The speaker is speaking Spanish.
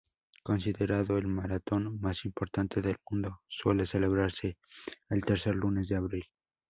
Considerado el maratón más importante del mundo, suele celebrarse el tercer lunes de abril.